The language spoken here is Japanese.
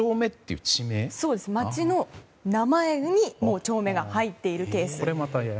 町の名前に丁目が入っているケース。